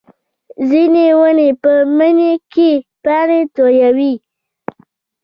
ځینې ونې په مني کې پاڼې تویوي